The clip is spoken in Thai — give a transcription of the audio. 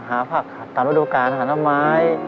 หาผักตามวัตถุการณ์หาน้ำไม้